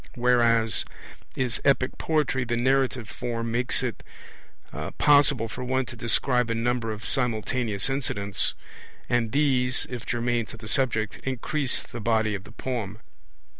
Whereas in epic poetry the narrative form makes it possible for one to describe a number of simultaneous incidents; and these, if germane to the subject, increase the body of the poem.